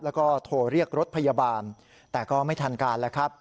แล้วก็โทรเรียกรถพยาบาลแต่ก็ไม่ทันการแล้วครับ